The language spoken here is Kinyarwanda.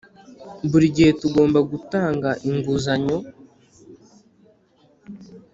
buri gihe tugomba gutanga inguzanyo